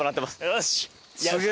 よし！